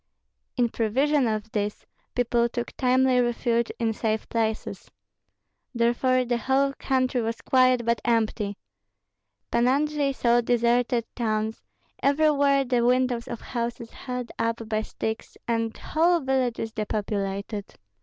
In prevision of this, people took timely refuge in safe places. Therefore the whole country was quiet, but empty. Pan Andrei saw deserted towns, everywhere the windows of houses held up by sticks, and whole villages depopulated.